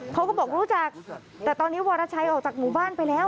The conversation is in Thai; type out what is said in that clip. เขาก็บอกรู้จักแต่ตอนนี้วรชัยออกจากหมู่บ้านไปแล้ว